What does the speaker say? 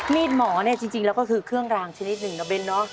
มีดหมอจริงแล้วก็คือเครื่องรางชนิดหนึ่งนะเบน